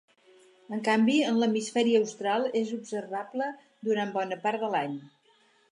En canvi en l'hemisferi austral és observable durant bona part de l'any.